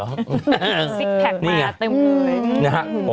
สิกแพ็คมาเต็มเลย